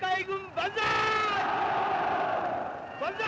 万歳！